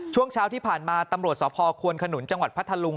ช่วงเช้าที่ผ่านมาตำรวจสพควนขนุนจังหวัดพัทธลุง